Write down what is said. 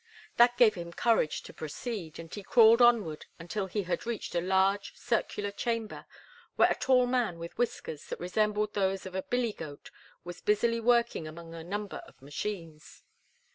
That gave him courage to proceed, and he crawled onward until he had reached a large, circular chamber, where a tall man with whiskers that resembled those of a billy goat was busily working among a number of machines.